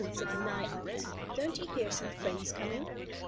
said the Nigh Ox, "don't you hear some friends coming?"